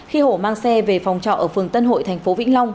khi hổ mang xe về phòng trọ ở phường tân hội thành phố vĩnh long